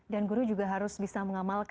dan guru juga harus bisa mengamalkan ya